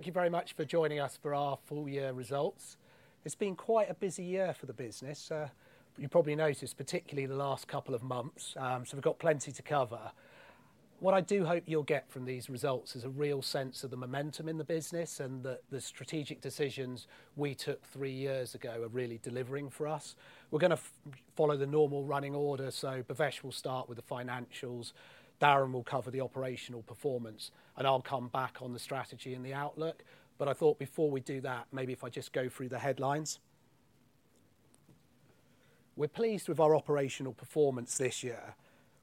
Thank you very much for joining us for our full year results. It's been quite a busy year for the business, you probably noticed, particularly the last couple of months, so we've got plenty to cover. What I do hope you'll get from these results is a real sense of the momentum in the business, and that the strategic decisions we took three years ago are really delivering for us. We're going to follow the normal running order, so Bhavesh will start with the financials, Darren will cover the operational performance, and I'll come back on the strategy and the outlook. But I thought before we do that, maybe if I just go through the headlines. We're pleased with our operational performance this year.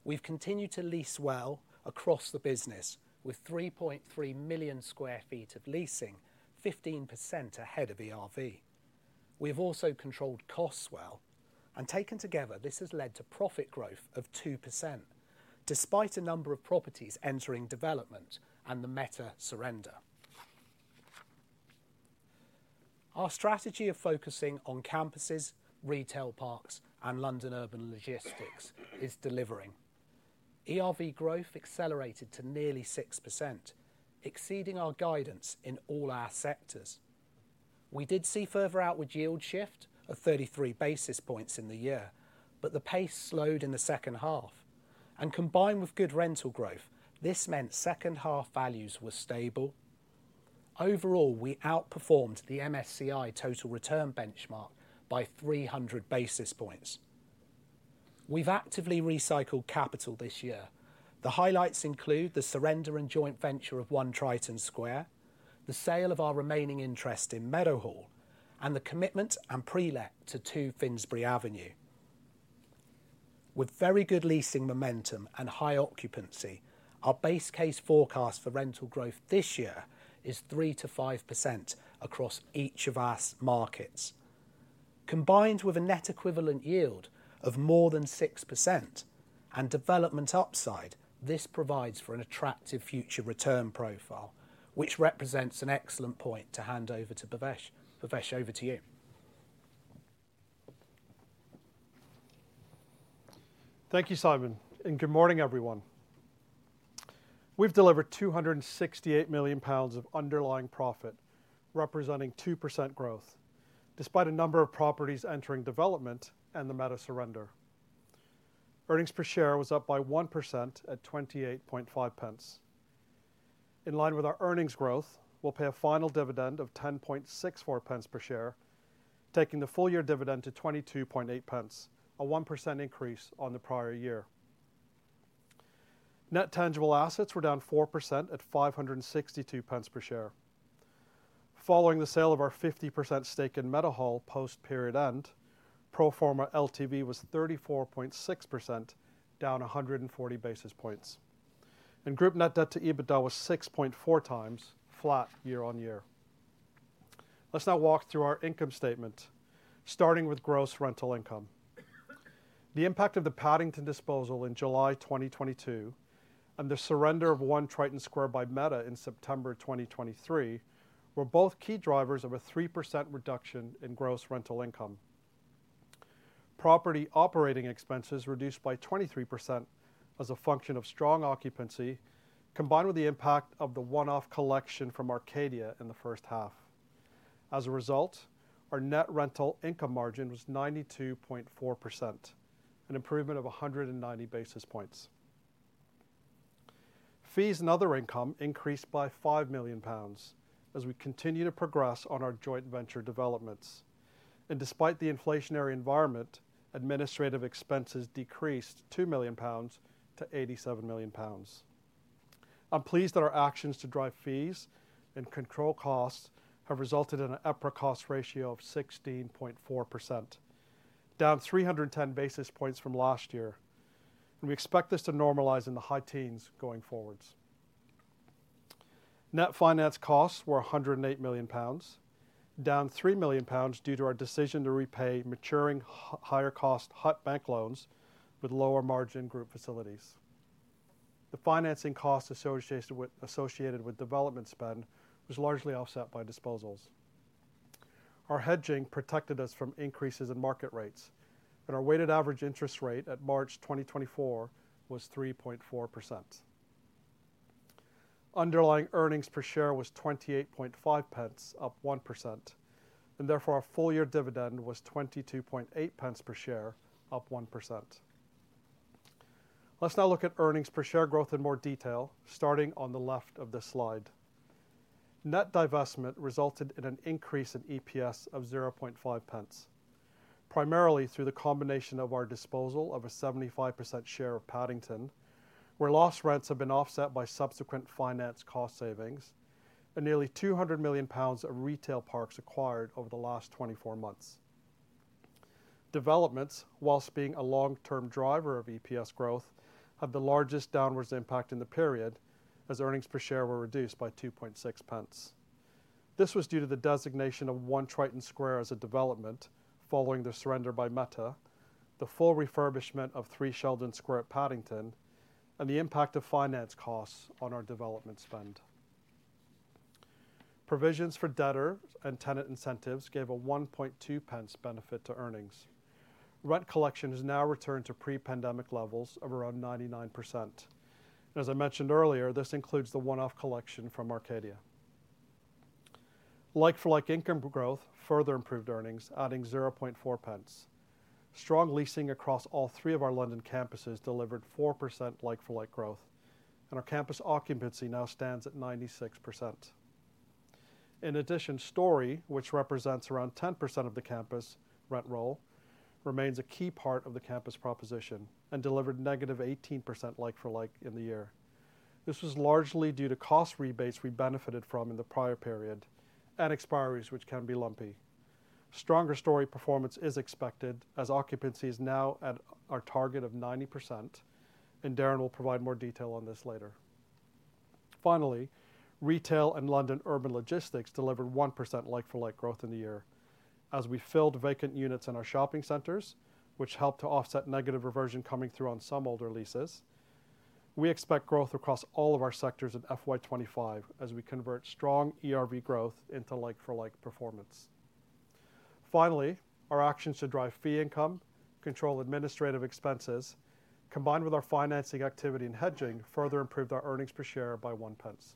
We've continued to lease well across the business, with 3.3 million sq ft of leasing, 15% ahead of ERV. We've also controlled costs well, and taken together, this has led to profit growth of 2%, despite a number of properties entering development and the Meta surrender. Our strategy of focusing on campuses, retail parks, and London urban logistics is delivering. ERV growth accelerated to nearly 6%, exceeding our guidance in all our sectors. We did see further outward yield shift of 33 basis points in the year, but the pace slowed in the second half, and combined with good rental growth, this meant second half values were stable. Overall, we outperformed the MSCI total return benchmark by 300 basis points. We've actively recycled capital this year. The highlights include the surrender and joint venture of 1 Triton Square, the sale of our remaining interest in Meadowhall, and the commitment and pre-let to 2 Finsbury Avenue. With very good leasing momentum and high occupancy, our base case forecast for rental growth this year is 3%-5% across each of our markets. Combined with a net equivalent yield of more than 6% and development upside, this provides for an attractive future return profile, which represents an excellent point to hand over to Bhavesh. Bhavesh, over to you. Thank you, Simon, and good morning, everyone. We've delivered 268 million pounds of underlying profit, representing 2% growth, despite a number of properties entering development and the Meta surrender. Earnings per share was up by 1% at 28.5 pence. In line with our earnings growth, we'll pay a final dividend of 10.64 pence per share, taking the full year dividend to 22.8 pence, a 1% increase on the prior year. Net tangible assets were down 4% at 562 pence per share. Following the sale of our 50% stake in Meadowhall post-period end, pro forma LTV was 34.6%, down 140 basis points. Group net debt to EBITDA was 6.4 times, flat year-on-year. Let's now walk through our income statement, starting with gross rental income. The impact of the Paddington disposal in July 2022, and the surrender of 1 Triton Square by Meta in September 2023, were both key drivers of a 3% reduction in gross rental income. Property operating expenses reduced by 23% as a function of strong occupancy, combined with the impact of the one-off collection from Arcadia in the first half. As a result, our net rental income margin was 92.4%, an improvement of 190 basis points. Fees and other income increased by 5 million pounds as we continue to progress on our joint venture developments, and despite the inflationary environment, administrative expenses decreased 2 million-87 million pounds. I'm pleased that our actions to drive fees and control costs have resulted in an EPRA cost ratio of 16.4%, down 310 basis points from last year, and we expect this to normalize in the high teens going forwards. Net finance costs were 108 million pounds, down 3 million pounds, due to our decision to repay maturing higher cost debt bank loans with lower margin group facilities. The financing costs associated with, associated with development spend was largely offset by disposals. Our hedging protected us from increases in market rates, and our weighted average interest rate at March 2024 was 3.4%. Underlying earnings per share was 28.5 pence, up 1%, and therefore our full year dividend was 22.8 pence per share, up 1%. Let's now look at earnings per share growth in more detail, starting on the left of this slide. Net divestment resulted in an increase in EPS of 0.5 pence, primarily through the combination of our disposal of a 75% share of Paddington, where lost rents have been offset by subsequent finance cost savings and nearly 200 million pounds of retail parks acquired over the last 24 months. Developments, while being a long-term driver of EPS growth, had the largest downward impact in the period as earnings per share were reduced by 2.6 pence. This was due to the designation of 1 Triton Square as a development following the surrender by Meta, the full refurbishment of 3 Sheldon Square at Paddington, and the impact of finance costs on our development spend. Provisions for debtor and tenant incentives gave a 1.2 pence benefit to earnings. Rent collection has now returned to pre-pandemic levels of around 99%. As I mentioned earlier, this includes the one-off collection from Arcadia. Like-for-like income growth further improved earnings, adding 0.4 pence. Strong leasing across all three of our London campuses delivered 4% like-for-like growth, and our campus occupancy now stands at 96%. In addition, Storey, which represents around 10% of the campus rent roll, remains a key part of the campus proposition and delivered -18% like-for-like in the year. This was largely due to cost rebates we benefited from in the prior period and expiries, which can be lumpy. Stronger Storey performance is expected as occupancy is now at our target of 90%, and Darren will provide more detail on this later. Finally, retail and London urban logistics delivered 1% like-for-like growth in the year. As we filled vacant units in our shopping centers, which helped to offset negative reversion coming through on some older leases, we expect growth across all of our sectors in FY 2025 as we convert strong ERV growth into like-for-like performance. Finally, our actions to drive fee income, control administrative expenses, combined with our financing activity and hedging, further improved our earnings per share by 1 pence.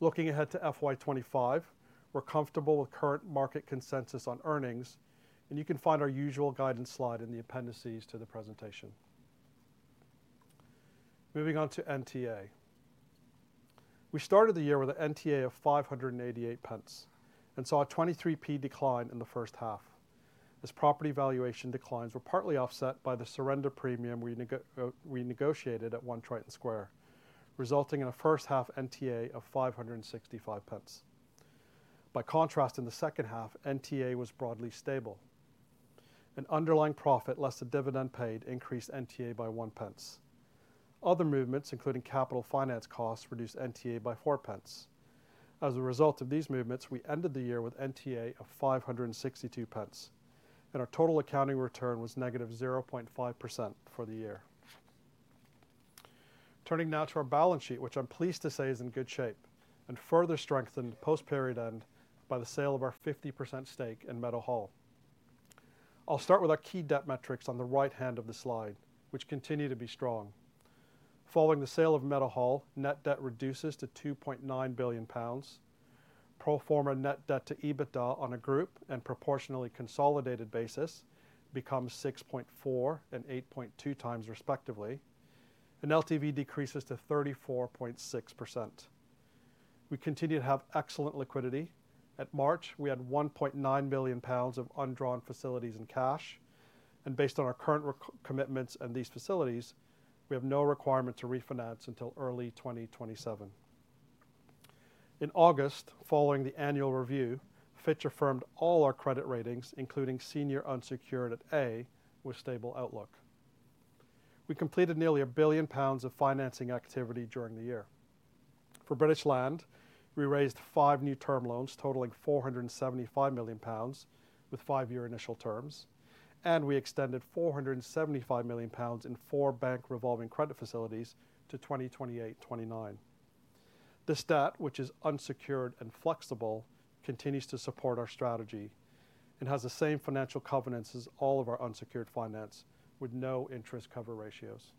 Looking ahead to FY 2025, we're comfortable with current market consensus on earnings, and you can find our usual guidance slide in the appendices to the presentation. Moving on to NTA. We started the year with an NTA of 588 pence and saw a 23p decline in the first half, as property valuation declines were partly offset by the surrender premium we negotiated at 1 Triton Square, resulting in a first half NTA of 565 pence. By contrast, in the second half, NTA was broadly stable. An underlying profit, less the dividend paid, increased NTA by 1 pence. Other movements, including capital finance costs, reduced NTA by 4 pence. As a result of these movements, we ended the year with NTA of 562 pence, and our total accounting return was -0.5% for the year. Turning now to our balance sheet, which I'm pleased to say is in good shape and further strengthened post-period end by the sale of our 50% stake in Meadowhall. I'll start with our key debt metrics on the right hand of the slide, which continue to be strong. Following the sale of Meadowhall, net debt reduces to 2.9 billion pounds. Pro forma net debt to EBITDA on a group and proportionally consolidated basis becomes 6.4 and 8.2 times, respectively, and LTV decreases to 34.6%. We continue to have excellent liquidity. At March, we had 1.9 billion pounds of undrawn facilities and cash, and based on our current recourse commitments and these facilities, we have no requirement to refinance until early 2027. In August, following the annual review, Fitch affirmed all our credit ratings, including senior unsecured at A, with stable outlook. We completed nearly 1 billion pounds of financing activity during the year. For British Land, we raised 5 new term loans totaling 475 million pounds, with 5-year initial terms, and we extended 475 million pounds in four bank revolving credit facilities to 2028, 2029. This debt, which is unsecured and flexible, continues to support our strategy and has the same financial covenants as all of our unsecured finance, with no interest cover ratios.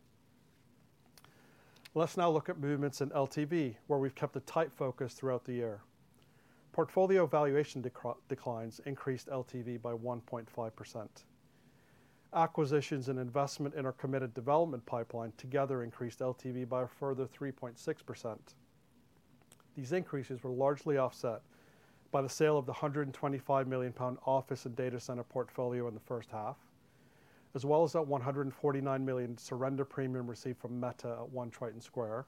Let's now look at movements in LTV, where we've kept a tight focus throughout the year. Portfolio valuation declines increased LTV by 1.5%. Acquisitions and investment in our committed development pipeline together increased LTV by a further 3.6%. These increases were largely offset by the sale of the 125 million pound office and data center portfolio in the first half, as well as that 149 million surrender premium received from Meta at 1 Triton Square,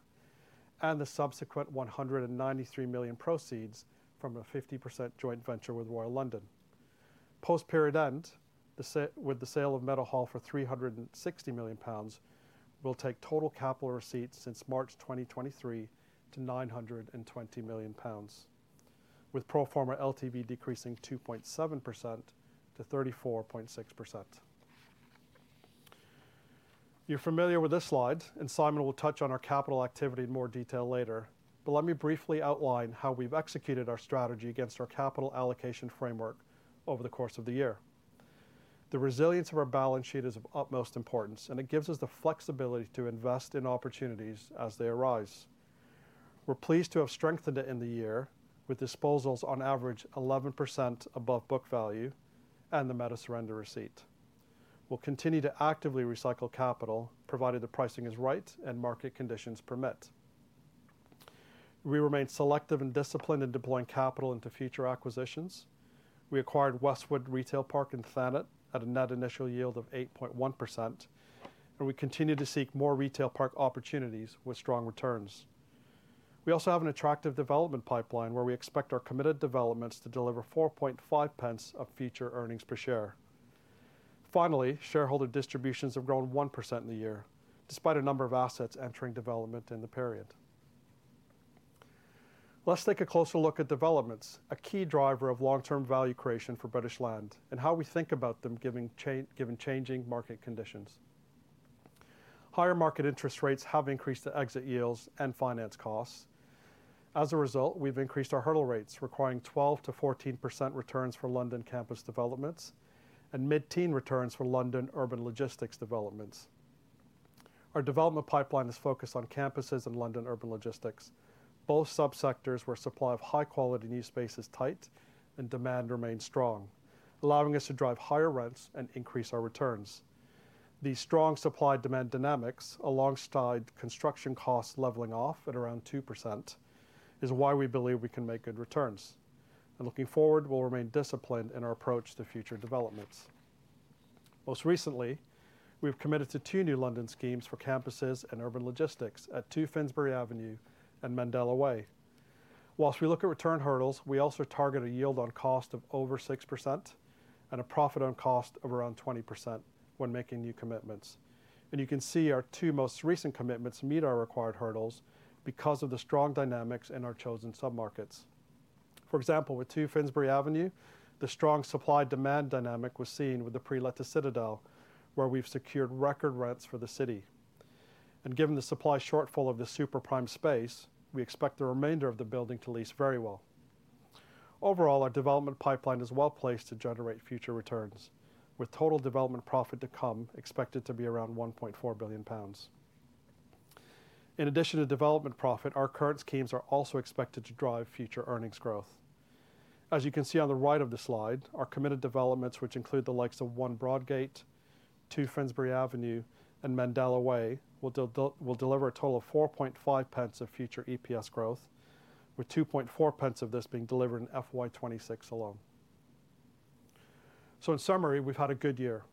and the subsequent 193 million proceeds from a 50% joint venture with Royal London. Post-period end, with the sale of Meadowhall for 360 million pounds, will take total capital receipts since March 2023 to 920 million pounds, with pro forma LTV decreasing 2.7%-34.6%. You're familiar with this slide, and Simon will touch on our capital activity in more detail later. But let me briefly outline how we've executed our strategy against our capital allocation framework over the course of the year. The resilience of our balance sheet is of utmost importance, and it gives us the flexibility to invest in opportunities as they arise. We're pleased to have strengthened it in the year with disposals on average 11% above book value and the Meta surrender receipt. We'll continue to actively recycle capital, provided the pricing is right and market conditions permit. We remain selective and disciplined in deploying capital into future acquisitions. We acquired Westwood Retail Park in Thanet at a net initial yield of 8.1%, and we continue to seek more retail park opportunities with strong returns. We also have an attractive development pipeline, where we expect our committed developments to deliver 4.5 pence of future earnings per share. Finally, shareholder distributions have grown 1% in the year, despite a number of assets entering development in the period. Let's take a closer look at developments, a key driver of long-term value creation for British Land, and how we think about them, given changing market conditions. Higher market interest rates have increased the exit yields and finance costs. As a result, we've increased our hurdle rates, requiring 12%-14% returns for London campus developments and mid-teen returns for London urban logistics developments. Our development pipeline is focused on campuses and London urban logistics, both sub-sectors where supply of high-quality new space is tight and demand remains strong, allowing us to drive higher rents and increase our returns. These strong supply-demand dynamics, alongside construction costs leveling off at around 2%, is why we believe we can make good returns. And looking forward, we'll remain disciplined in our approach to future developments. Most recently, we've committed to two new London schemes for campuses and urban logistics at 2 Finsbury Avenue and Mandela Way. Whilst we look at return hurdles, we also target a yield on cost of over 6% and a profit on cost of around 20% when making new commitments. You can see our two most recent commitments meet our required hurdles because of the strong dynamics in our chosen sub-markets. For example, with 2 Finsbury Avenue, the strong supply-demand dynamic was seen with the pre-let to Citadel, where we've secured record rents for the city. Given the supply shortfall of the super prime space, we expect the remainder of the building to lease very well. Overall, our development pipeline is well-placed to generate future returns, with total development profit to come expected to be around 1.4 billion pounds. In addition to development profit, our current schemes are also expected to drive future earnings growth. As you can see on the right of the slide, our committed developments, which include the likes of 1 Broadgate, 2 Finsbury Avenue, and Mandela Way, will deliver a total of 4.5 pence of future EPS growth, with 2.4 pence of this being delivered in FY 2026 alone. So in summary, we've had a good year.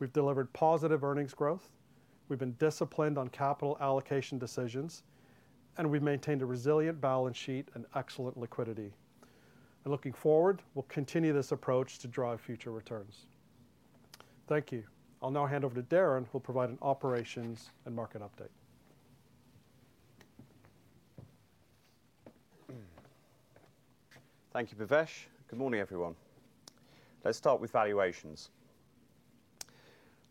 We've delivered positive earnings growth, we've been disciplined on capital allocation decisions, and we've maintained a resilient balance sheet and excellent liquidity. Looking forward, we'll continue this approach to drive future returns. Thank you. I'll now hand over to Darren, who'll provide an operations and market update. Thank you, Bhavesh. Good morning, everyone. Let's start with valuations.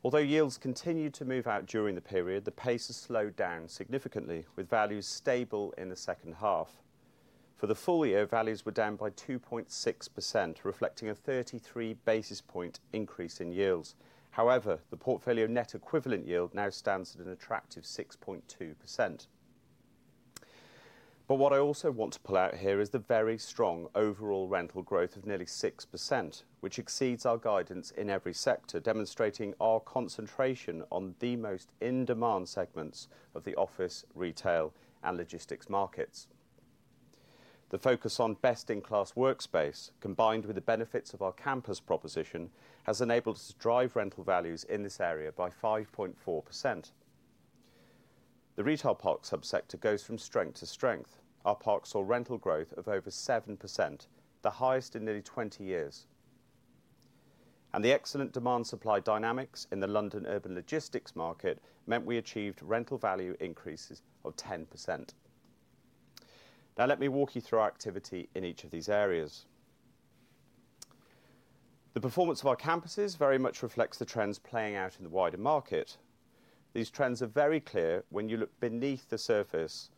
Although yields continued to move out during the period, the pace has slowed down significantly, with values stable in the second half. For the full year, values were down by 2.6%, reflecting a 33 basis point increase in yields. However, the portfolio net equivalent yield now stands at an attractive 6.2%. But what I also want to pull out here is the very strong overall rental growth of nearly 6%, which exceeds our guidance in every sector, demonstrating our concentration on the most in-demand segments of the office, retail, and logistics markets. The focus on best-in-class workspace, combined with the benefits of our campus proposition, has enabled us to drive rental values in this area by 5.4%. The retail park sub-sector goes from strength-to-strength. Our parks saw rental growth of over 7%, the highest in nearly 20 years. And the excellent demand-supply dynamics in the London urban logistics market meant we achieved rental value increases of 10%. Now, let me walk you through our activity in each of these areas. The performance of our campuses very much reflects the trends playing out in the wider market. These trends are very clear when you look beneath the surface data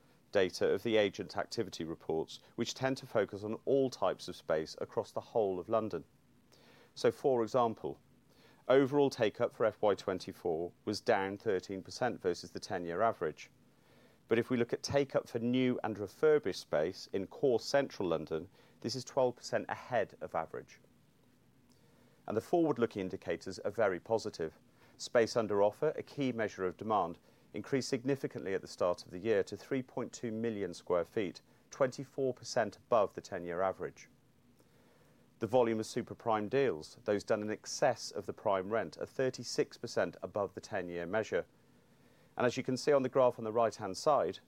of the agent activity reports, which tend to focus on all types of space across the whole of London. So, for example, overall take-up for FY 2024 was down 13% versus the 10-year average. But if we look at take-up for new and refurbished space in core central London, this is 12% ahead of average. And the forward-looking indicators are very positive. Space under offer, a key measure of demand, increased significantly at the start of the year to 3.2 million sq ft, 24% above the 10-year average. The volume of super prime deals, those done in excess of the prime rent, are 36% above the 10-year measure. And as you can see on the graph on the right-hand side,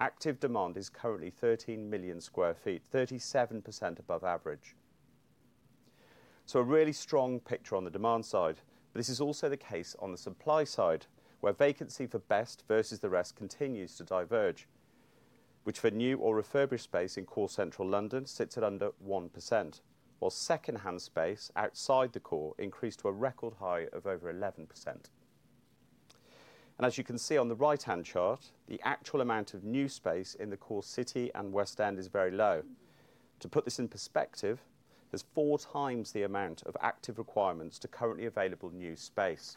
active demand is currently 13 million sq ft, 37% above average. So a really strong picture on the demand side. But this is also the case on the supply side, where vacancy for best versus the rest continues to diverge, which for new or refurbished space in core central London, sits at under 1%, while second-hand space outside the core increased to a record high of over 11%. As you can see on the right-hand chart, the actual amount of new space in the core City and West End is very low. To put this in perspective, there's 4x the amount of active requirements to currently available new space.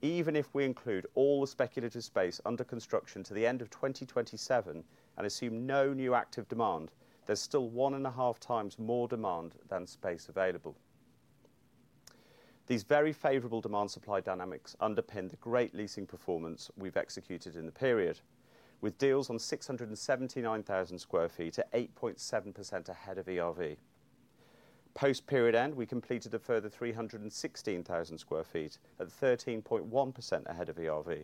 Even if we include all the speculative space under construction to the end of 2027 and assume no new active demand, there's still 1.5x more demand than space available. These very favorable demand-supply dynamics underpin the great leasing performance we've executed in the period, with deals on 679,000 sq ft at 8.7% ahead of ERV. Post-period end, we completed a further 316,000 sq ft at 13.1% ahead of ERV,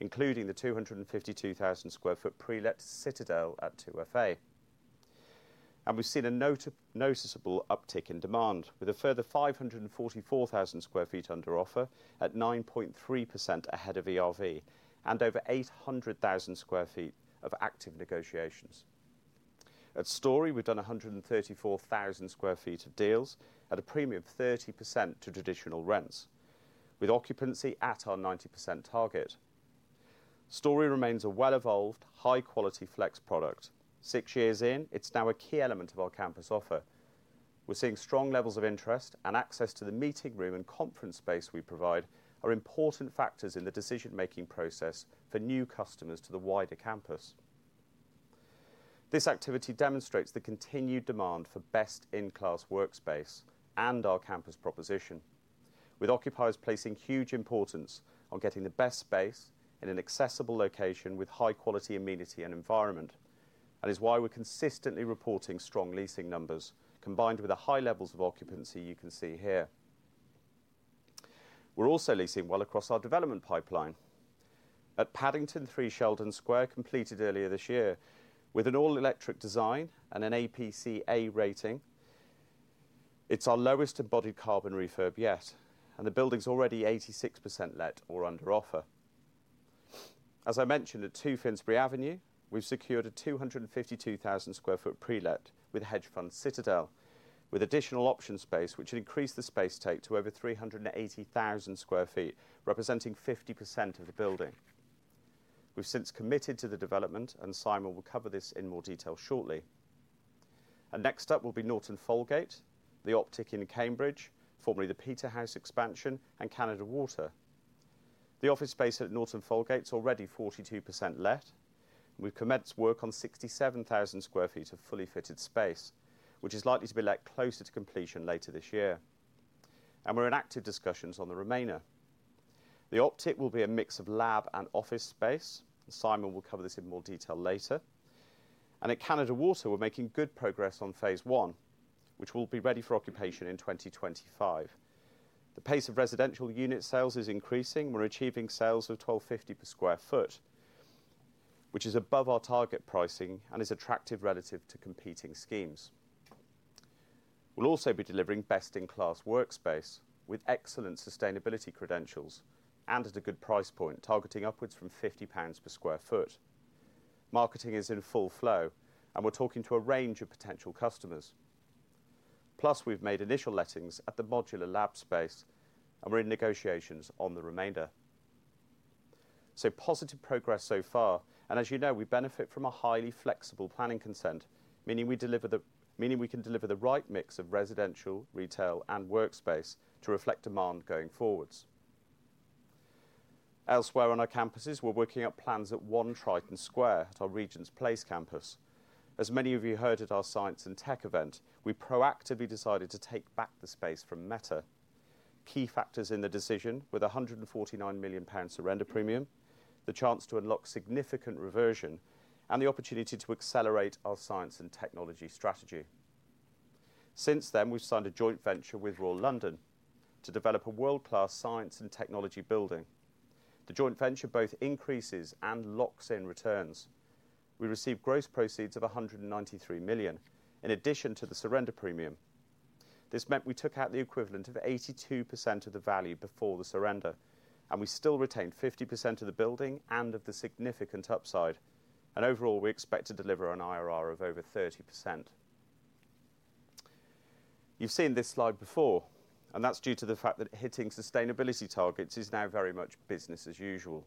including the 252,000 sq ft pre-let Citadel at 2FA. And we've seen a noticeable uptick in demand, with a further 544,000 sq ft under offer at 9.3% ahead of ERV and over 800,000 sq ft of active negotiations. At Storey, we've done 134,000 sq ft of deals at a premium of 30% to traditional rents, with occupancy at our 90% target. Storey remains a well-evolved, high-quality flex product. Six years in, it's now a key element of our campus offer. We're seeing strong levels of interest and access to the meeting room and conference space we provide are important factors in the decision-making process for new customers to the wider campus. This activity demonstrates the continued demand for best-in-class workspace and our campus proposition, with occupiers placing huge importance on getting the best space in an accessible location with high-quality amenity and environment. That is why we're consistently reporting strong leasing numbers, combined with the high levels of occupancy you can see here. We're also leasing well across our development pipeline. At Paddington, 3 Sheldon Square completed earlier this year. With an all-electric design and an EPC rating, it's our lowest embodied carbon refurb yet, and the building's already 86% let or under offer. As I mentioned, at 2 Finsbury Avenue, we've secured a 252,000 sq ft pre-let with hedge fund Citadel, with additional option space, which increased the space take to over 380,000 sq ft, representing 50% of the building. We've since committed to the development, and Simon will cover this in more detail shortly. And next up will be Norton Folgate, The Optic in Cambridge, formerly the Peterhouse expansion, and Canada Water. The office space at Norton Folgate is already 42% let. We've commenced work on 67,000 sq ft of fully fitted space, which is likely to be let closer to completion later this year, and we're in active discussions on the remainder. The Optic will be a mix of lab and office space, and Simon will cover this in more detail later. At Canada Water, we're making good progress on phase I, which will be ready for occupation in 2025. The pace of residential unit sales is increasing. We're achieving sales of 1,250 per sq ft, which is above our target pricing and is attractive relative to competing schemes. We'll also be delivering best-in-class workspace with excellent sustainability credentials and at a good price point, targeting upwards from 50 pounds per sq ft. Marketing is in full flow, and we're talking to a range of potential customers. Plus, we've made initial lettings at the modular lab space, and we're in negotiations on the remainder. So positive progress so far, and as you know, we benefit from a highly flexible planning consent, meaning we can deliver the right mix of residential, retail, and workspace to reflect demand going forward. Elsewhere on our campuses, we're working up plans at 1 Triton Square at our Regent's Place campus. As many of you heard at our science and tech event, we proactively decided to take back the space from Meta. Key factors in the decision, with a 149 million pounds surrender premium, the chance to unlock significant reversion, and the opportunity to accelerate our science and technology strategy. Since then, we've signed a joint venture with Royal London to develop a world-class science and technology building. The joint venture both increases and locks in returns. We received gross proceeds of 193 million in addition to the surrender premium. This meant we took out the equivalent of 82% of the value before the surrender, and we still retained 50% of the building and of the significant upside. Overall, we expect to deliver an IRR of over 30%. You've seen this slide before, and that's due to the fact that hitting sustainability targets is now very much business as usual.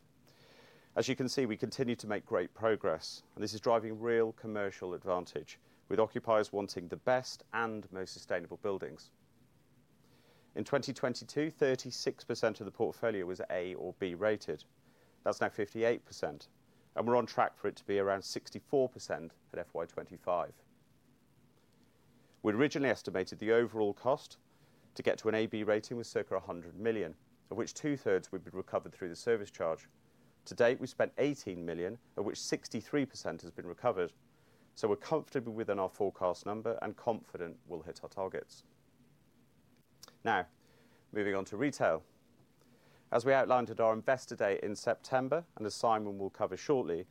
As you can see, we continue to make great progress, and this is driving real commercial advantage with occupiers wanting the best and most sustainable buildings. In 2022, 36% of the portfolio was A or B rated. That's now 58%, and we're on track for it to be around 64% at FY 2025. We'd originally estimated the overall cost to get to an AB rating was circa 100 million, of which two-thirds would be recovered through the service charge. To date, we spent 18 million, of which 63% has been recovered. So we're comfortably within our forecast number and confident we'll hit our targets. Now, moving on to retail. As we outlined at our investor day in September, and as Simon will cover shortly,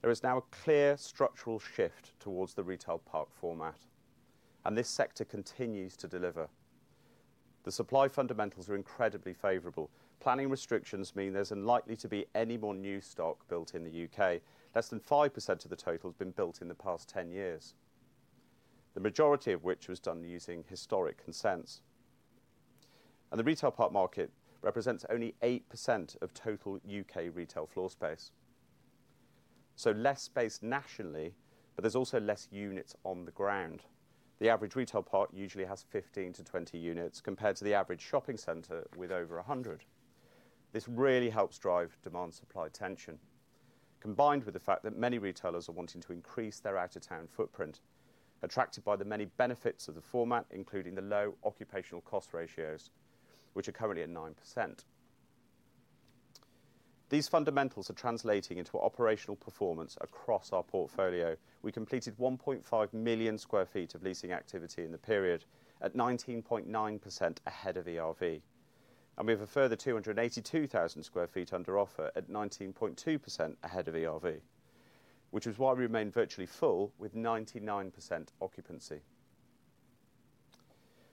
there is now a clear structural shift towards the retail park format, and this sector continues to deliver. The supply fundamentals are incredibly favorable. Planning restrictions mean there's unlikely to be any more new stock built in the U.K.. Less than 5% of the total has been built in the past 10 years, the majority of which was done using historic consents. The retail park market represents only 8% of total U.K. retail floor space. Less space nationally, but there's also less units on the ground. The average retail park usually has 15-20 units, compared to the average shopping center with over 100. This really helps drive demand-supply tension, combined with the fact that many retailers are wanting to increase their out-of-town footprint, attracted by the many benefits of the format, including the low occupational cost ratios, which are currently at 9%. These fundamentals are translating into operational performance across our portfolio. We completed 1.5 million sq ft of leasing activity in the period at 19.9% ahead of ERV, and we have a further 282,000 sq ft under offer at 19.2% ahead of ERV, which is why we remain virtually full with 99% occupancy.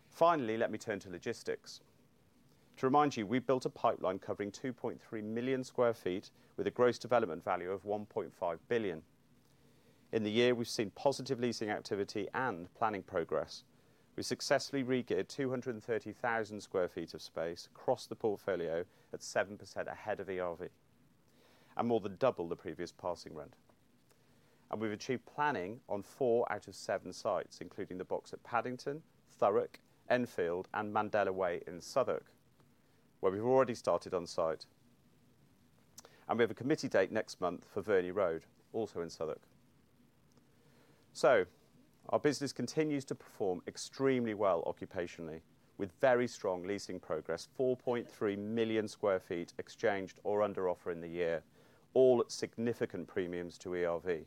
Finally, let me turn to logistics. To remind you, we've built a pipeline covering 2.3 million sq ft, with a gross development value of 1.5 billion. In the year, we've seen positive leasing activity and planning progress. We successfully regeared 230,000 sq ft of space across the portfolio at 7% ahead of ERV, and more than double the previous passing rent. We've achieved planning on 4 out of 7 sites, including The Box at Paddington, Thurrock, Enfield, and Mandela Way in Southwark, where we've already started on site. We have a committee date next month for Verney Road, also in Southwark. Our business continues to perform extremely well occupationally, with very strong leasing progress, 4.3 million sq ft exchanged or under offer in the year, all at significant premiums to ERV.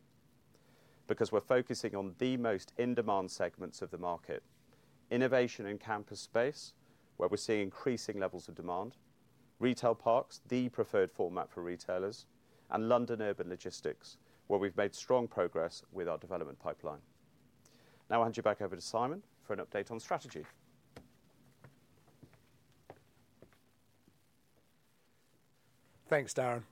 Because we're focusing on the most in-demand segments of the market, innovation and campus space, where we're seeing increasing levels of demand, retail parks, the preferred format for retailers, and London urban logistics, where we've made strong progress with our development pipeline. Now I'll hand you back over to Simon for an update on strategy. Thanks, Darren.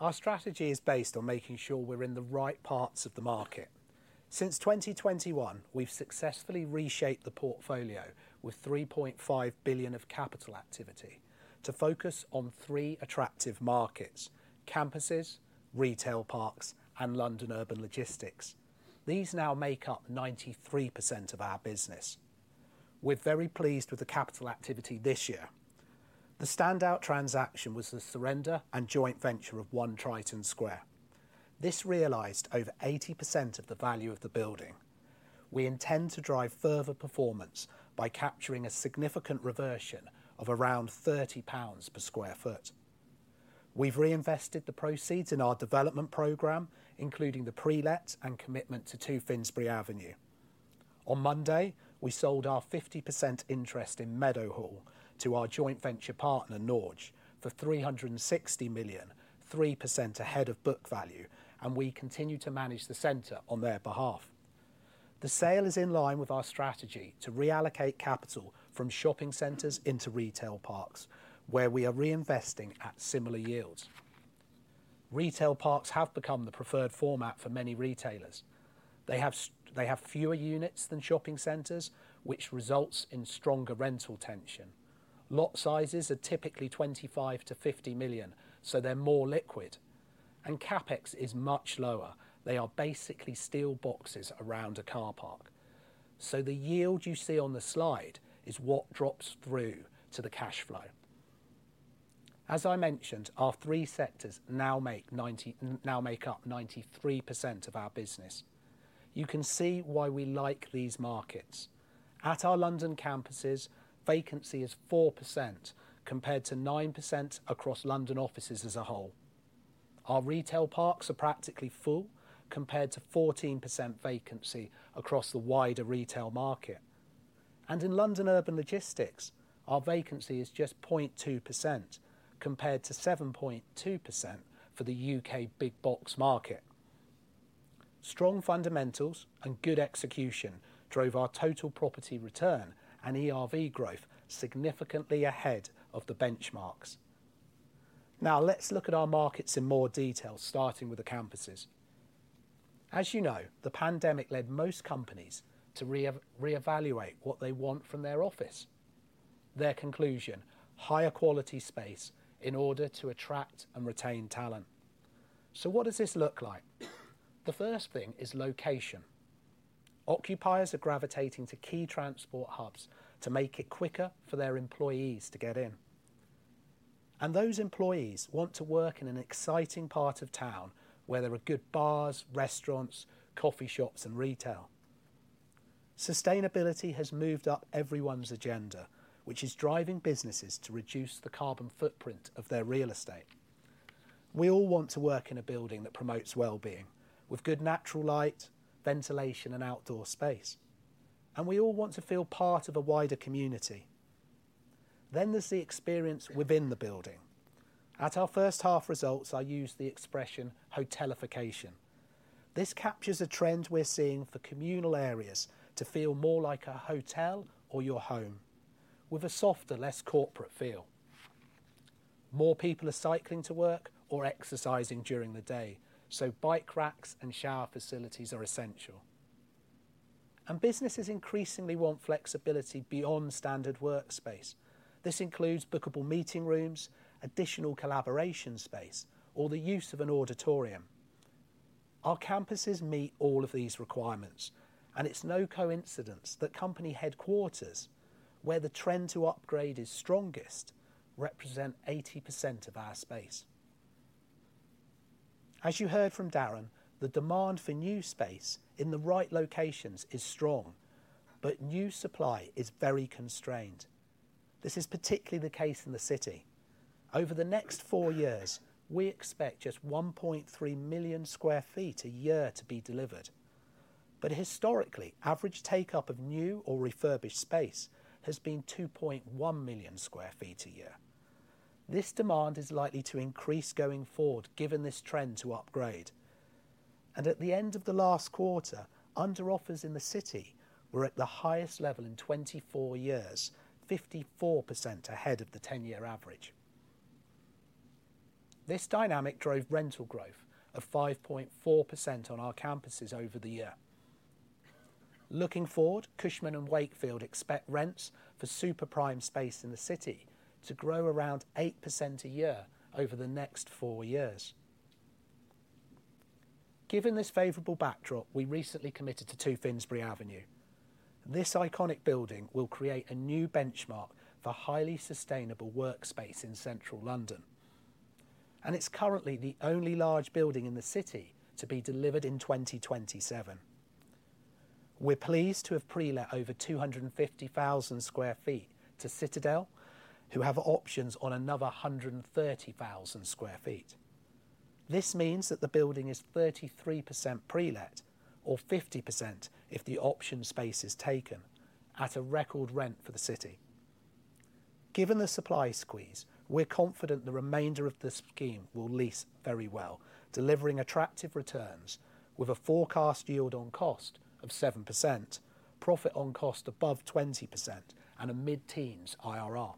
Our strategy is based on making sure we're in the right parts of the market. Since 2021, we've successfully reshaped the portfolio with 3.5 billion of capital activity to focus on three attractive markets: campuses, retail parks, and London urban logistics. These now make up 93% of our business. We're very pleased with the capital activity this year. The standout transaction was the surrender and joint venture of 1 Triton Square. This realized over 80% of the value of the building. We intend to drive further performance by capturing a significant reversion of around 30 pounds per sq ft. We've reinvested the proceeds in our development program, including the pre-let and commitment to 2 Finsbury Avenue. On Monday, we sold our 50% interest in Meadowhall to our joint venture partner, Norge, for 360 million, 3% ahead of book value, and we continue to manage the center on their behalf. The sale is in line with our strategy to reallocate capital from shopping centers into retail parks, where we are reinvesting at similar yields. Retail parks have become the preferred format for many retailers. They have fewer units than shopping centers, which results in stronger rental tension. Lot sizes are typically 25 million-50 million, so they're more liquid, and CapEx is much lower. They are basically steel boxes around a car park. So the yield you see on the slide is what drops through to the cash flow. As I mentioned, our three sectors now make up 93% of our business. You can see why we like these markets. At our London campuses, vacancy is 4%, compared to 9% across London offices as a whole. Our retail parks are practically full, compared to 14% vacancy across the wider retail market. In London urban logistics, our vacancy is just 0.2%, compared to 7.2% for the U.K. big box market. Strong fundamentals and good execution drove our total property return and ERV growth significantly ahead of the benchmarks. Now, let's look at our markets in more detail, starting with the campuses. As you know, the pandemic led most companies to reevaluate what they want from their office. Their conclusion: higher quality space in order to attract and retain talent. So what does this look like? The first thing is location. Occupiers are gravitating to key transport hubs to make it quicker for their employees to get in. Those employees want to work in an exciting part of town where there are good bars, restaurants, coffee shops, and retail. Sustainability has moved up everyone's agenda, which is driving businesses to reduce the carbon footprint of their real estate. We all want to work in a building that promotes wellbeing, with good natural light, ventilation, and outdoor space. We all want to feel part of a wider community. There's the experience within the building. At our first half results, I used the expression hotelification. This captures a trend we're seeing for communal areas to feel more like a hotel or your home, with a softer, less corporate feel. More people are cycling to work or exercising during the day, so bike racks and shower facilities are essential. Businesses increasingly want flexibility beyond standard workspace. This includes bookable meeting rooms, additional collaboration space, or the use of an auditorium. Our campuses meet all of these requirements, and it's no coincidence that company headquarters, where the trend to upgrade is strongest, represent 80% of our space. As you heard from Darren, the demand for new space in the right locations is strong, but new supply is very constrained. This is particularly the case in The City. Over the next four years, we expect just 1.3 million sq ft a year to be delivered. But historically, average take-up of new or refurbished space has been 2.1 million sq ft a year. This demand is likely to increase going forward, given this trend to upgrade. At the end of the last quarter, under offers in the city were at the highest level in 24 years, 54% ahead of the 10-year average. This dynamic drove rental growth of 5.4% on our campuses over the year. Looking forward, Cushman & Wakefield expect rents for super prime space in the city to grow around 8% a year over the next 4 years. Given this favorable backdrop, we recently committed to 2 Finsbury Avenue. This iconic building will create a new benchmark for highly sustainable workspace in central London, and it's currently the only large building in the city to be delivered in 2027. We're pleased to have pre-let over 250,000 sq ft to Citadel, who have options on another 130,000 sq ft. This means that the building is 33% pre-let, or 50% if the option space is taken, at a record rent for the city. Given the supply squeeze, we're confident the remainder of the scheme will lease very well, delivering attractive returns with a forecast yield on cost of 7%, profit on cost above 20%, and a mid-teens IRR.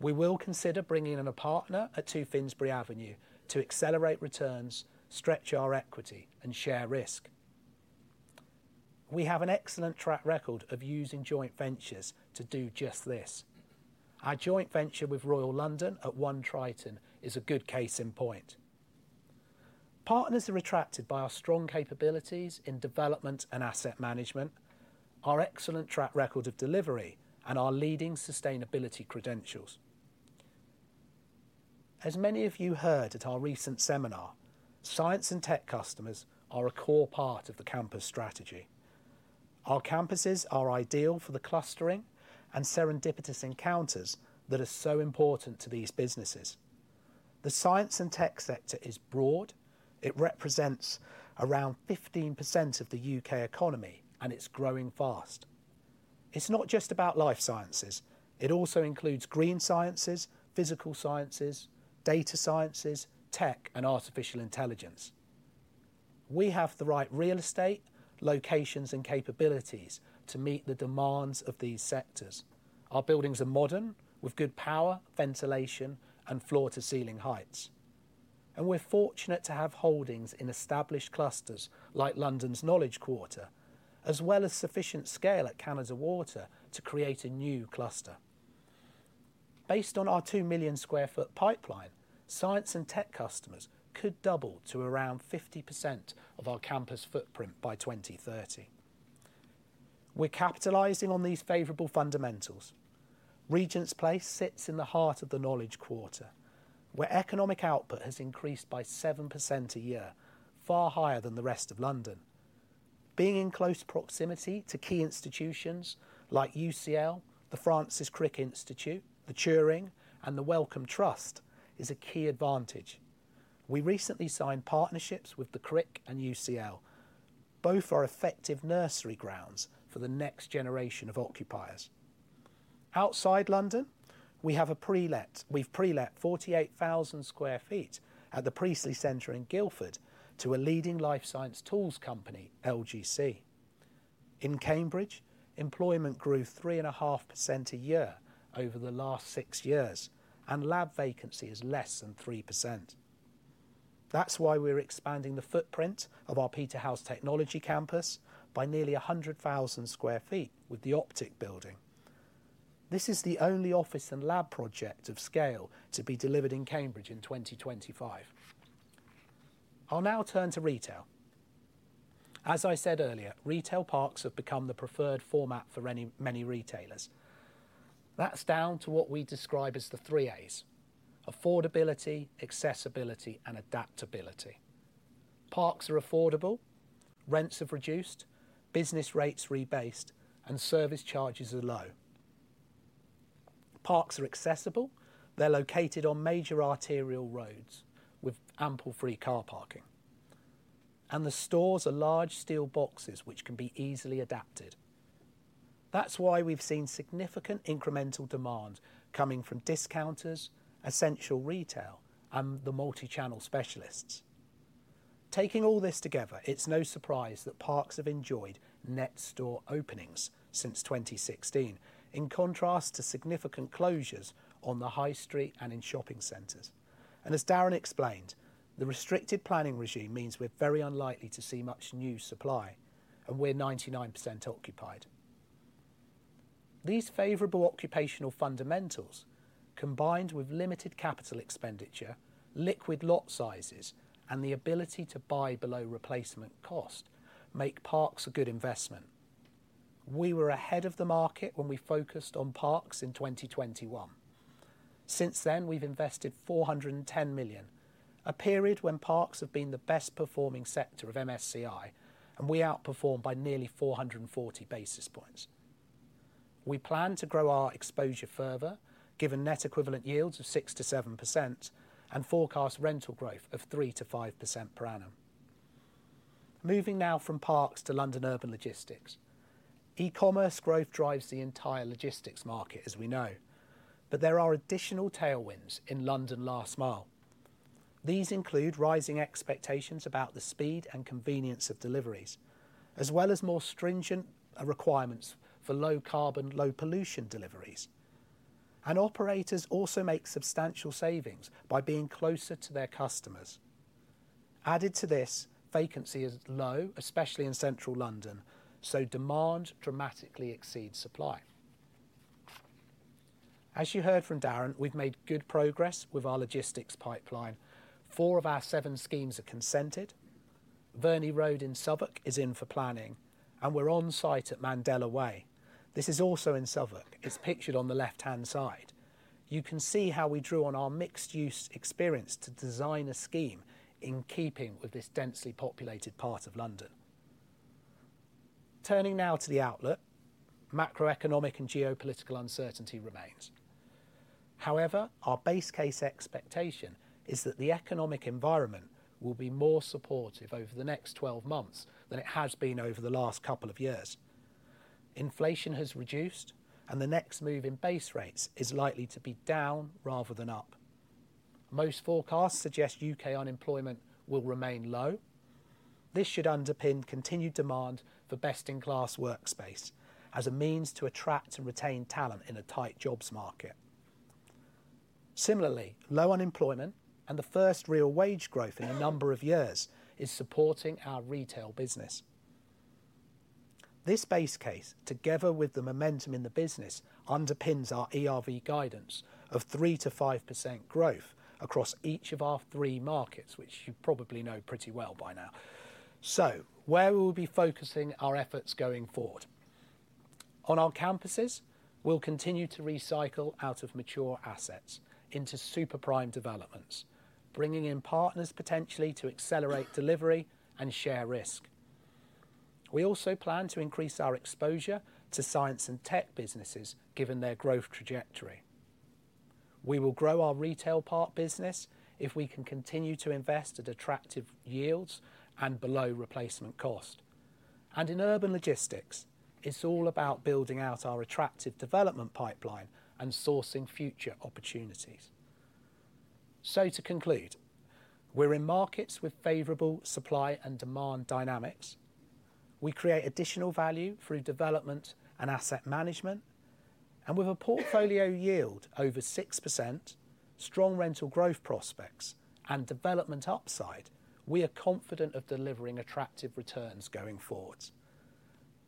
We will consider bringing in a partner at 2 Finsbury Avenue to accelerate returns, stretch our equity, and share risk. We have an excellent track record of using joint ventures to do just this. Our joint venture with Royal London at 1 Triton is a good case in point. Partners are attracted by our strong capabilities in development and asset management, our excellent track record of delivery, and our leading sustainability credentials. As many of you heard at our recent seminar, science and tech customers are a core part of the campus strategy. Our campuses are ideal for the clustering and serendipitous encounters that are so important to these businesses. The science and tech sector is broad. It represents around 15% of the U.K. economy, and it's growing fast. It's not just about life sciences; it also includes green sciences, physical sciences, data sciences, tech, and artificial intelligence. We have the right real estate, locations, and capabilities to meet the demands of these sectors. Our buildings are modern, with good power, ventilation, and floor-to-ceiling heights, and we're fortunate to have holdings in established clusters like London's Knowledge Quarter, as well as sufficient scale at Canada Water to create a new cluster. Based on our 2 million sq ft pipeline, science and tech customers could double to around 50% of our campus footprint by 2030. We're capitalizing on these favorable fundamentals. Regent's Place sits in the heart of the Knowledge Quarter, where economic output has increased by 7% a year, far higher than the rest of London. Being in close proximity to key institutions like UCL, the Francis Crick Institute, The Turing, and the Wellcome Trust is a key advantage. We recently signed partnerships with the Crick and UCL. Both are effective nursery grounds for the next generation of occupiers. Outside London, we've pre-let 48,000 sq ft at the Priestley Centre in Guildford to a leading life science tools company, LGC. In Cambridge, employment grew 3.5% a year over the last 6 years, and lab vacancy is less than 3%. That's why we're expanding the footprint of our Peterhouse Technology Campus by nearly 100,000 sq ft with the Optic building. This is the only office and lab project of scale to be delivered in Cambridge in 2025. I'll now turn to retail. As I said earlier, retail parks have become the preferred format for any, many retailers. That's down to what we describe as the three As: affordability, accessibility, and adaptability. Parks are affordable, rents have reduced, business rates rebased, and service charges are low. Parks are accessible. They're located on major arterial roads with ample free car parking, and the stores are large steel boxes which can be easily adapted. That's why we've seen significant incremental demand coming from discounters, essential retail, and the multi-channel specialists. Taking all this together, it's no surprise that parks have enjoyed net store openings since 2016, in contrast to significant closures on the high street and in shopping centers. And as Darren explained, the restricted planning regime means we're very unlikely to see much new supply, and we're 99% occupied. These favorable occupational fundamentals, combined with limited capital expenditure, liquid lot sizes, and the ability to buy below replacement cost, make parks a good investment. We were ahead of the market when we focused on parks in 2021. Since then, we've invested 410 million, a period when parks have been the best performing sector of MSCI, and we outperformed by nearly 440 basis points. We plan to grow our exposure further, given net equivalent yields of 6%-7% and forecast rental growth of 3%-5% per annum. Moving now from parks to London urban logistics. E-commerce growth drives the entire logistics market, as we know, but there are additional tailwinds in London last mile. These include rising expectations about the speed and convenience of deliveries, as well as more stringent requirements for low carbon, low pollution deliveries. And operators also make substantial savings by being closer to their customers. Added to this, vacancy is low, especially in central London, so demand dramatically exceeds supply. As you heard from Darren, we've made good progress with our logistics pipeline. Four of our seven schemes are consented. Verney Road in Southwark is in for planning, and we're on site at Mandela Way. This is also in Southwark. It's pictured on the left-hand side. You can see how we drew on our mixed-use experience to design a scheme in keeping with this densely populated part of London. Turning now to the outlook, macroeconomic and geopolitical uncertainty remains. However, our base case expectation is that the economic environment will be more supportive over the next 12 months than it has been over the last couple of years. Inflation has reduced, and the next move in base rates is likely to be down rather than up. Most forecasts suggest U.K. unemployment will remain low. This should underpin continued demand for best-in-class workspace as a means to attract and retain talent in a tight jobs market. Similarly, low unemployment and the first real wage growth in a number of years is supporting our retail business. This base case, together with the momentum in the business, underpins our ERV guidance of 3%-5% growth across each of our three markets, which you probably know pretty well by now. So where we will be focusing our efforts going forward? On our campuses, we'll continue to recycle out of mature assets into super prime developments, bringing in partners potentially to accelerate delivery and share risk. We also plan to increase our exposure to science and tech businesses, given their growth trajectory. We will grow our retail park business if we can continue to invest at attractive yields and below replacement cost. And in urban logistics, it's all about building out our attractive development pipeline and sourcing future opportunities. So to conclude, we're in markets with favorable supply and demand dynamics. We create additional value through development and asset management, and with a portfolio yield over 6%, strong rental growth prospects and development upside, we are confident of delivering attractive returns going forward.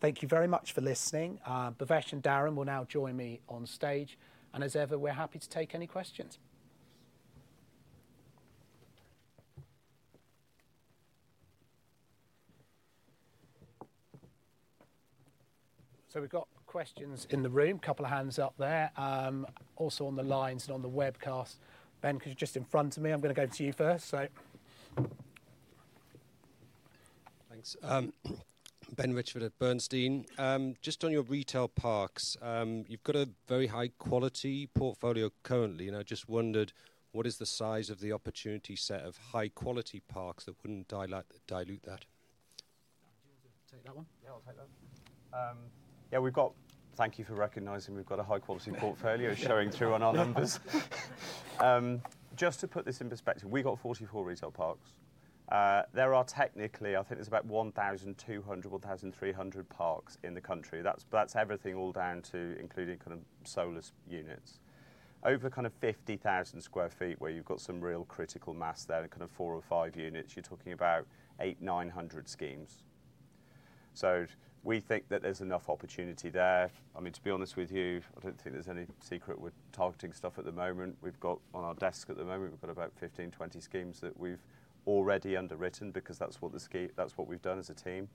Thank you very much for listening. Bhavesh and Darren will now join me on stage, and as ever, we're happy to take any questions. So we've got questions in the room. A couple of hands up there, also on the lines and on the webcast. Ben, 'cause you're just in front of me, I'm going to go to you first, so... Thanks. Ben Richford at Bernstein. Just on your retail parks, you've got a very high quality portfolio currently, and I just wondered, what is the size of the opportunity set of high quality parks that wouldn't dilute that? Do you want to take that one? Yeah, I'll take that. Yeah, we've got. Thank you for recognizing we've got a high quality portfolio, showing through on our numbers. Just to put this in perspective, we've got 44 retail parks. There are technically, I think there's about 1,200, 1,300 parks in the country. That's, that's everything all down to including kind of solos units. Over kind of 50,000 sq ft, where you've got some real critical mass there and kind of 4 or 5 units, you're talking about 800-900 schemes. So we think that there's enough opportunity there. I mean, to be honest with you, I don't think there's any secret we're targeting stuff at the moment. We've got, on our desk at the moment, we've got about 15-20 schemes that we've already underwritten, because that's what we've done as a team.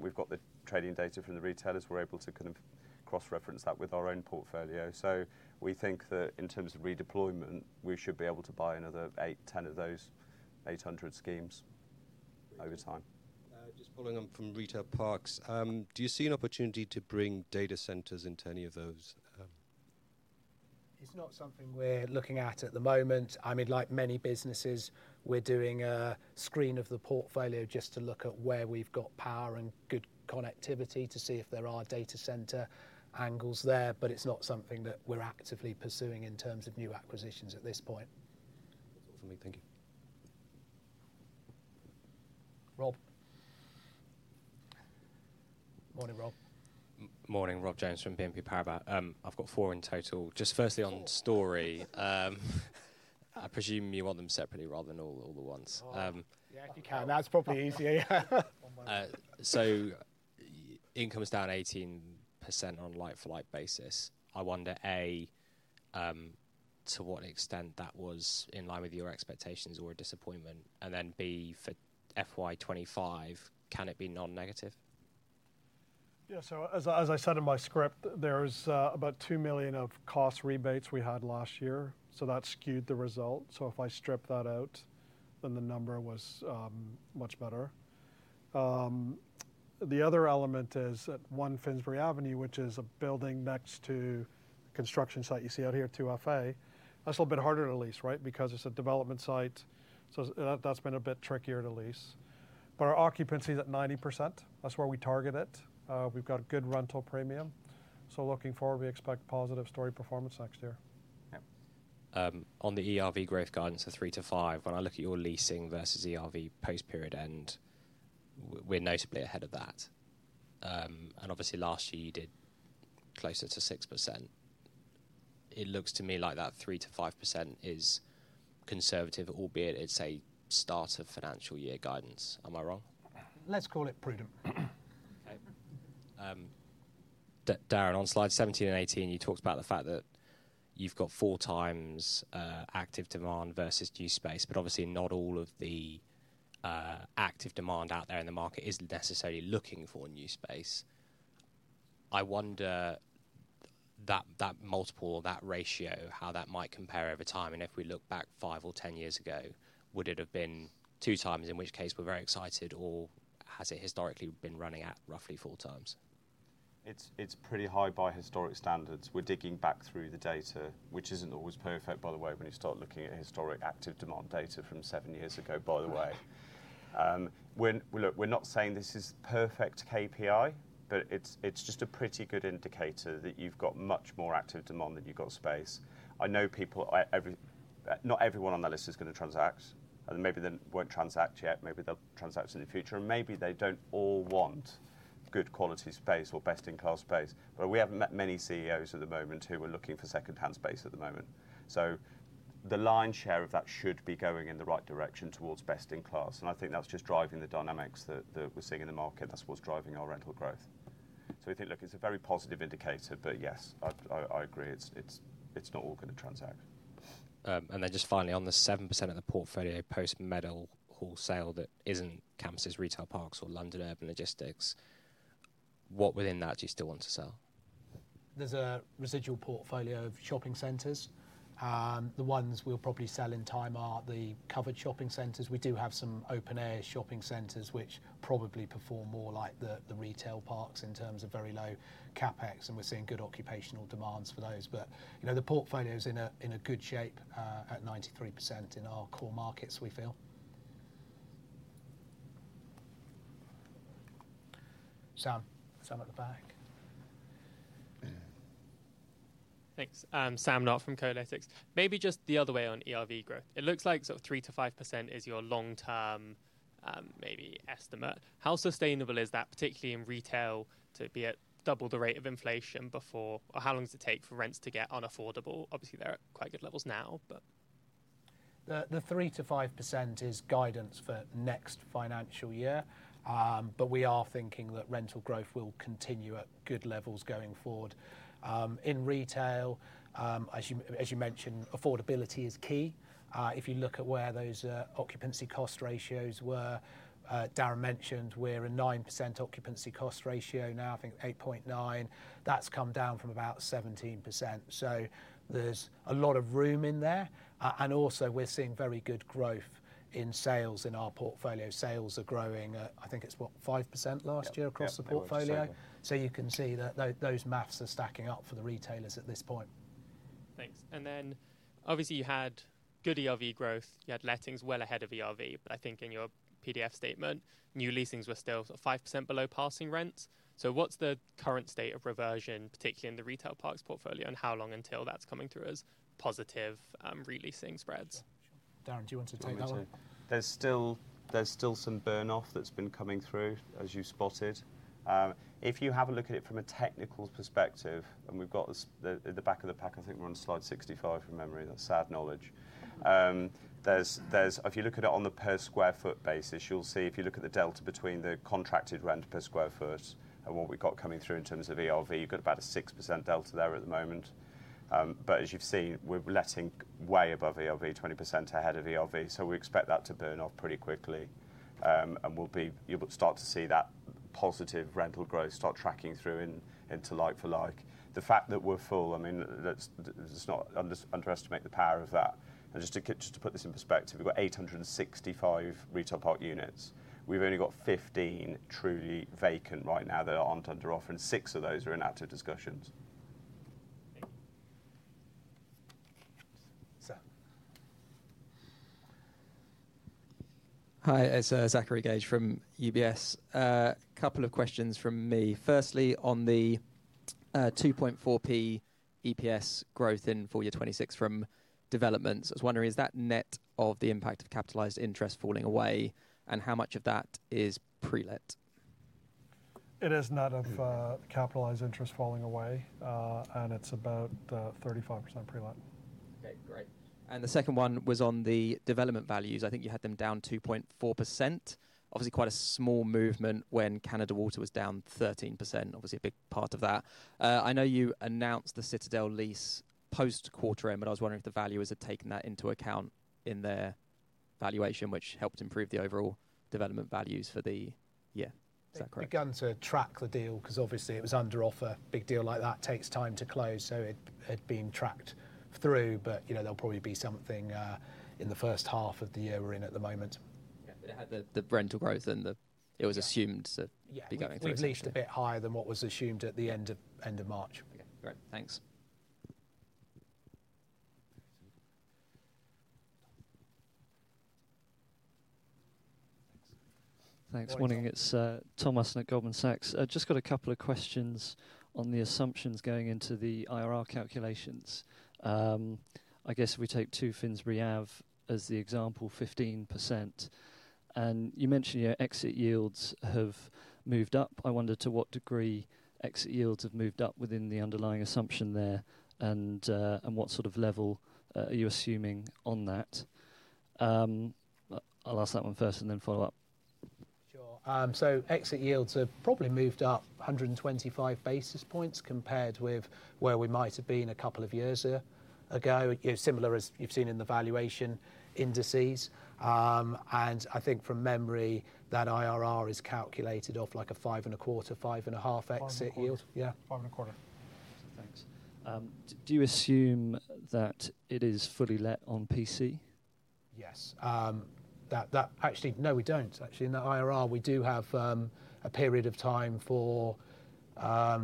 We've got the trading data from the retailers. We're able to kind of cross-reference that with our own portfolio. So we think that in terms of redeployment, we should be able to buy another 8-10 of those 800 schemes over time. Just following on from retail parks, do you see an opportunity to bring data centers into any of those? It's not something we're looking at at the moment. I mean, like many businesses, we're doing a screen of the portfolio just to look at where we've got power and good connectivity to see if there are data center angles there, but it's not something that we're actively pursuing in terms of new acquisitions at this point. That's all for me. Thank you. Rob? Morning, Rob. Morning, Rob Jones from BNP Paribas. I've got four in total. Just firstly, on Storey, I presume you want them separately rather than all, all at once? Yeah, if you can. That's probably easier. One-by-one. Income is down 18% on like-for-like basis. I wonder, A, to what extent that was in line with your expectations or a disappointment? And then, B, for FY 2025, can it be non-negative? Yeah, so as I, as I said in my script, there's about 2 million of cost rebates we had last year, so that skewed the result. So if I strip that out, then the number was much better. The other element is at 1 Finsbury Avenue, which is a building next to a construction site you see out here at 2FA. That's a little bit harder to lease, right? Because it's a development site, so that, that's been a bit trickier to lease. But our occupancy is at 90%. That's where we target it. We've got a good rental premium, so looking forward, we expect positive Storey performance next year. Yep. On the ERV growth guidance of 3-5, when I look at your leasing versus ERV post-period end, we're notably ahead of that. And obviously, last year you did closer to 6%. It looks to me like that 3%-5% is conservative, albeit it's a start of financial year guidance. Am I wrong? Let's call it prudent. Okay. Darren, on slide 17 and 18, you talked about the fact that you've got 4x active demand versus new space, but obviously not all of the active demand out there in the market is necessarily looking for new space. I wonder, that, that multiple or that ratio, how that might compare over time, and if we look back 5 or 10 years ago, would it have been 2 times, in which case we're very excited, or has it historically been running at roughly 4 times? It's, it's pretty high by historic standards. We're digging back through the data, which isn't always perfect, by the way, when you start looking at historic active demand data from seven years ago, by the way. Look, we're not saying this is perfect KPI, but it's, it's just a pretty good indicator that you've got much more active demand than you've got space. I know people, every, not everyone on the list is going to transact, and maybe they won't transact yet. Maybe they'll transact in the future, and maybe they don't all want good quality space or best-in-class space. But we haven't met many CEOs at the moment who are looking for second-hand space at the moment. So the lion's share of that should be going in the right direction towards best in class, and I think that's just driving the dynamics that we're seeing in the market. That's what's driving our rental growth. So we think, look, it's a very positive indicator, but yes, I agree, it's not all going to transact. And then just finally, on the 7% of the portfolio, post Meadowhall sale that isn't campuses, retail parks, or London urban logistics, what within that do you still want to sell? There's a residual portfolio of shopping centers. The ones we'll probably sell in time are the covered shopping centers. We do have some open-air shopping centers, which probably perform more like the retail parks in terms of very low CapEx, and we're seeing good occupational demands for those. But, you know, the portfolio's in a good shape, at 93% in our core markets, we feel. Sam. Sam at the back. Thanks. I'm Sam Knott from Kolytics. Maybe just the other way on ERV growth. It looks like sort of 3%-5% is your long-term, maybe estimate. How sustainable is that, particularly in retail, to be at double the rate of inflation before? Or how long does it take for rents to get unaffordable? Obviously, they're at quite good levels now, but. The 3%-5% is guidance for next financial year. But we are thinking that rental growth will continue at good levels going forward. In retail, as you mentioned, affordability is key. If you look at where those occupancy cost ratios were, Darren mentioned we're a 9% occupancy cost ratio now, I think 8.9. That's come down from about 17%. So there's a lot of room in there. And also we're seeing very good growth in sales in our portfolio. Sales are growing at, I think it's, what? 5% last year Yep across the portfolio? It was. You can see that those math are stacking up for the retailers at this point. Thanks. And then obviously, you had good ERV growth. You had lettings well ahead of ERV, but I think in your PDF statement, new leasings were still sort of 5% below passing rents. So what's the current state of reversion, particularly in the retail parks portfolio, and how long until that's coming through as positive re-leasing spreads? Darren, do you want to take that one? There's still some burn-off that's been coming through, as you spotted. If you have a look at it from a technical perspective, and we've got this, the, at the back of the pack, I think we're on slide 65 from memory. That's sad knowledge. If you look at it on the per sq ft basis, you'll see if you look at the delta between the contracted rent per sq ft and what we've got coming through in terms of ERV, you've got about a 6% delta there at the moment. But as you've seen, we're letting way above ERV, 20% ahead of ERV, so we expect that to burn off pretty quickly. You'll start to see that positive rental growth start tracking through into like for like. The fact that we're full, I mean, that's, let's not underestimate the power of that. And just to put this in perspective, we've got 865 retail park units. We've only got 15 truly vacant right now that aren't under offer, and six of those are in active discussions. Thank you. Sir. Hi, it's Zachary Gauge from UBS. Couple of questions from me. Firstly, on the 2.4p EPS growth in full year 2026 from developments, I was wondering, is that net of the impact of capitalized interest falling away, and how much of that is pre-let? It is net of capitalized interest falling away, and it's about 35% pre-let. Okay, great. The second one was on the development values. I think you had them down 2.4%. Obviously, quite a small movement when Canada Water was down 13%. Obviously, a big part of that. I know you announced the Citadel lease post-quarter end, but I was wondering if the valuers had taken that into account in their valuation, which helped improve the overall development values for the... Yeah. Is that correct? They've begun to track the deal, 'cause obviously it was under offer. Big deal like that takes time to close, so it had been tracked through, but, you know, there'll probably be something in the first half of the year we're in at the moment. Yeah, but it had the rental growth and the Yeah it was assumed to Yeah be going through. We leased it a bit higher than what was assumed at the end of March. Okay, great. Thanks. Thanks. Morning, it's Thomas Austin at Goldman Sachs. I've just got a couple of questions on the assumptions going into the IRR calculations. I guess if we take 2 Finsbury Avenue as the example, 15%, and you mentioned your exit yields have moved up. I wonder to what degree exit yields have moved up within the underlying assumption there, and and what sort of level are you assuming on that? I'll ask that one first and then follow up. Sure. So exit yields have probably moved up 125 basis points compared with where we might have been a couple of years ago. You know, similar as you've seen in the valuation indices. And I think from memory, that IRR is calculated off like a 5.25-5.5 exit yield. 5.25. Yeah. 5.25. Thanks. Do you assume that it is fully let on PC? Yes. Actually, no, we don't. Actually, in the IRR, we do have a period of time for, I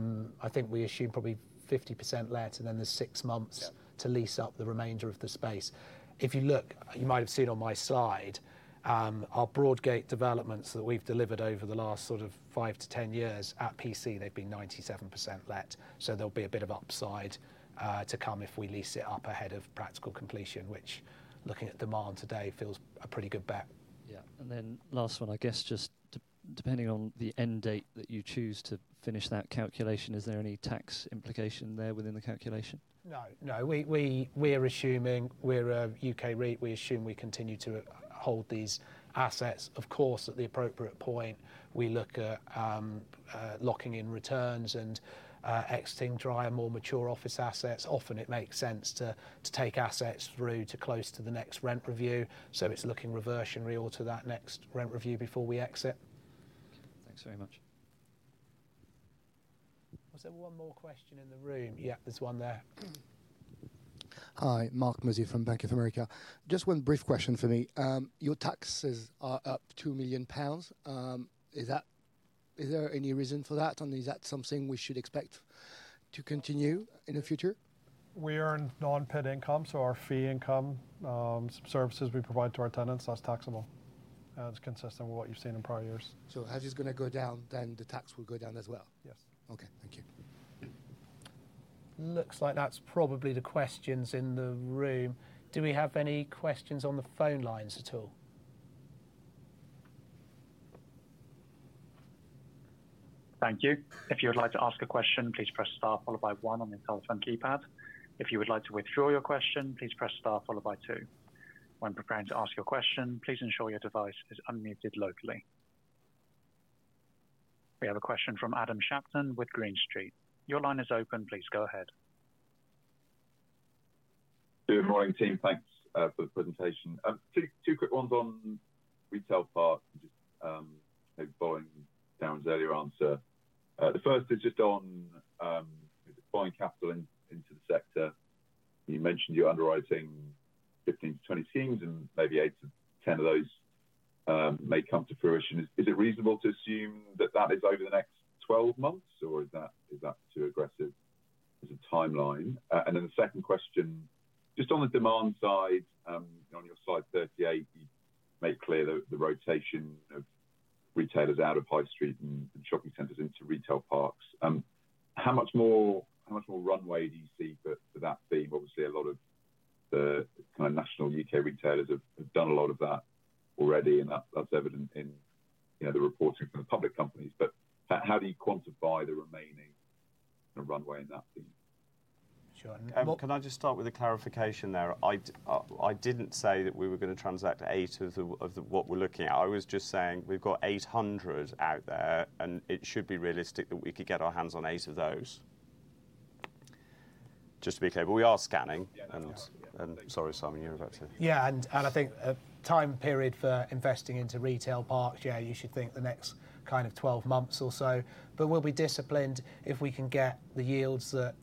think we assume probably 50% let, and then there's six months Yep to lease up the remainder of the space. If you look, you might have seen on my slide, our Broadgate developments that we've delivered over the last sort of 5-10 years at PC, they've been 97% let. So there'll be a bit of upside, to come if we lease it up ahead of practical completion, which, looking at demand today, feels a pretty good bet. Yeah. And then last one, I guess just depending on the end date that you choose to finish that calculation, is there any tax implication there within the calculation? No, no, we're assuming we're a UK REITs. We assume we continue to hold these assets. Of course, at the appropriate point, we look at locking in returns and exiting drier, more mature office assets. Often, it makes sense to take assets through to close to the next rent review, so it's looking reversionary or to that next rent review before we exit. Thanks very much. Was there one more question in the room? Yeah, there's one there. Hi, Marc Mozzi from Bank of America. Just one brief question for me. Your taxes are up 2 million pounds. Is that, is there any reason for that, and is that something we should expect to continue in the future? We earn non-paid income, so our fee income, services we provide to our tenants, that's taxable, and it's consistent with what you've seen in prior years. As it's gonna go down, then the tax will go down as well? Yes. Okay, thank you. Looks like that's probably the questions in the room. Do we have any questions on the phone lines at all? Thank you. If you would like to ask a question, please press star followed by one on your telephone keypad. If you would like to withdraw your question, please press star followed by two. When preparing to ask your question, please ensure your device is unmuted locally. We have a question from Adam Shapton with Green Street. Your line is open. Please go ahead. Good morning, team. Thanks for the presentation. Two quick ones on retail park, following Darren's earlier answer. The first is just on deploying capital into the sector. You mentioned you're underwriting 15-20 teams, and maybe 8-10 of those may come to fruition. Is it reasonable to assume that that is over the next 12 months, or is that too aggressive as a timeline? And then the second question, just on the demand side, on your slide 38, you make clear the rotation of retailers out of High Street and shopping centers into retail parks. How much more runway do you see for that theme? Obviously, a lot of the kind of national U.K. retailers have, have done a lot of that already, and that, that's evident in, you know, the reporting from the public companies. But how, how do you quantify the remaining runway in that theme? Sure. Can I just start with a clarification there? I didn't say that we were gonna transact 8 of the what we're looking at. I was just saying we've got 800 out there, and it should be realistic that we could get our hands on 8 of those. Just to be clear, but we are scanning. Yeah. Sorry, Simon, you were about to- Yeah, and I think a time period for investing into retail parks, yeah, you should think the next kind of 12 months or so. But we'll be disciplined if we can get the yields that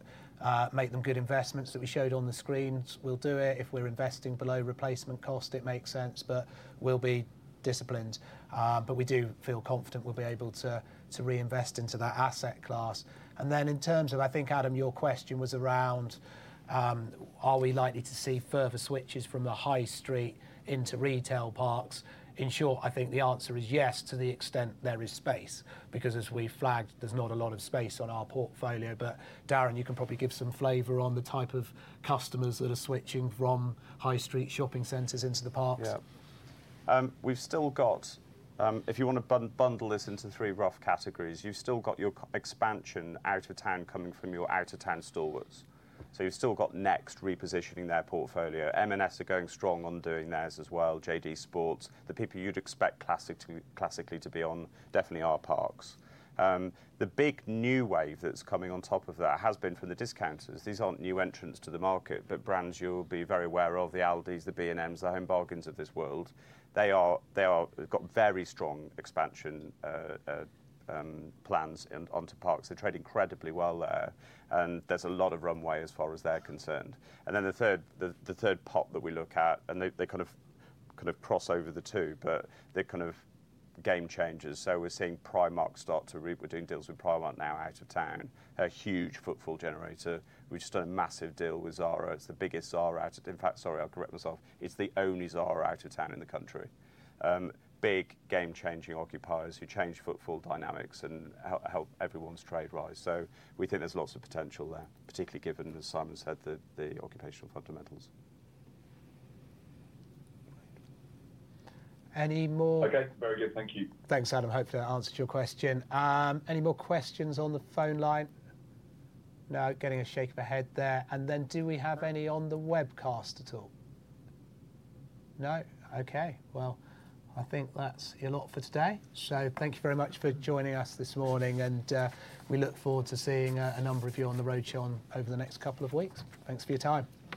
make them good investments. That we showed on the screens, we'll do it. If we're investing below replacement cost, it makes sense, but we'll be disciplined. But we do feel confident we'll be able to reinvest into that asset class. And then in terms of, I think, Adam, your question was around, are we likely to see further switches from the high street into retail parks? In short, I think the answer is yes, to the extent there is space, because as we flagged, there's not a lot of space on our portfolio. Darren, you can probably give some flavor on the type of customers that are switching from high street shopping centers into the parks. Yeah. We've still got, if you want to bundle this into three rough categories, you've still got your expansion out of town coming from your out-of-town stores. So you've still got Next repositioning their portfolio. M&S are going strong on doing theirs as well, JD Sports, the people you'd expect classically to be on definitely our parks. The big new wave that's coming on top of that has been from the discounters. These aren't new entrants to the market, but brands you'll be very aware of, the ALDIs, the B&Ms, the Home Bargains of this world. They've got very strong expansion plans onto parks. They trade incredibly well there, and there's a lot of runway as far as they're concerned. And then the third pot that we look at, and they kind of cross over the two, but they're kind of game changers. So we're seeing Primark start to. We're doing deals with Primark now out of town, a huge footfall generator. We just done a massive deal with Zara. It's the biggest Zara out of town. In fact, sorry, I'll correct myself. It's the only Zara out of town in the country. Big game-changing occupiers who change footfall dynamics and help everyone's trade rise. So we think there's lots of potential there, particularly given, as Simon said, the occupier fundamentals. Any more? Okay, very good. Thank you. Thanks, Adam. Hopefully, that answered your question. Any more questions on the phone line? No, getting a shake of a head there. And then do we have any on the webcast at all? No. Okay, well, I think that's your lot for today. So thank you very much for joining us this morning, and we look forward to seeing a number of you on the road show over the next couple of weeks. Thanks for your time.